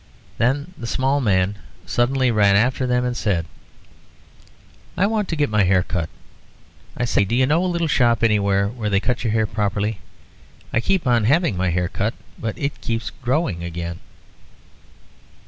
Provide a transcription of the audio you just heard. Then the small man suddenly ran after them and said "I want to get my hair cut. I say, do you know a little shop anywhere where they cut your hair properly? I keep on having my hair cut, but it keeps on growing again."